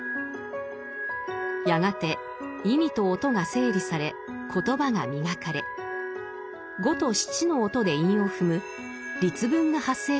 やがて意味と音が整理され言葉が磨かれ五と七の音で韻を踏む「律文」が発生したといいます。